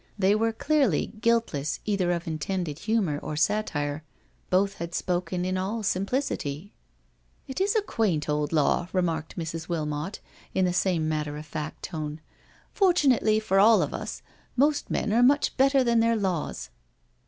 They were clearly guiltless either of intended humour or satire— both had spoken in all simplicity »•• It is a quaint old law," remarked Mrs. Wilmot, in the same matter of fact tone. " Fortunately for all of us, most men are much better than their laws."